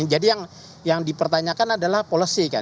jadi yang yang dipertanyakan adalah policy kan